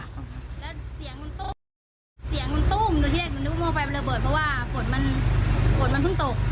เสียงมันตุ้มดูที่เล็กนึกว่าไฟมันระเบิดเพราะว่าฝนมันเพิ่งตก